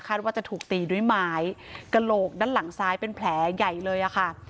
ว่าจะถูกตีด้วยไม้กระโหลกด้านหลังซ้ายเป็นแผลใหญ่เลยอะค่ะ